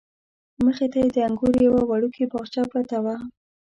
مخې ته یې د انګورو یوه وړوکې باغچه پرته وه.